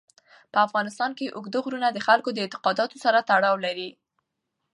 په افغانستان کې اوږده غرونه د خلکو د اعتقاداتو سره تړاو لري.